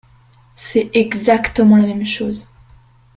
C’est exactement la même chose !